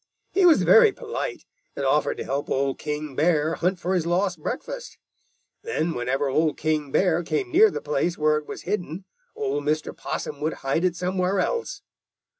He was very polite and offered to help Old King Bear hunt for his lost breakfast. Then, whenever Old King Bear came near the place where it was hidden, old Mr. Possum would hide it somewhere else.